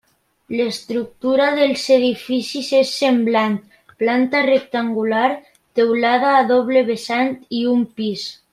L'estructura dels edificis és semblant: planta rectangular, teulada a doble vessant i un pis.